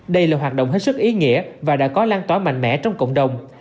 đây là hoạt động hết sức ý nghĩa và đã có lan tỏa mạnh mẽ trong cộng đồng